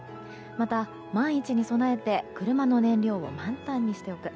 また、万一に備えて車の燃料を満タンにしておく。